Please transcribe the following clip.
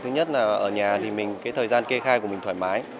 thứ nhất là ở nhà thì mình cái thời gian kê khai của mình thoải mái